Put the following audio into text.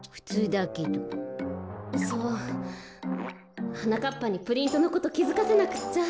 こころのこえはなかっぱにプリントのこときづかせなくっちゃ。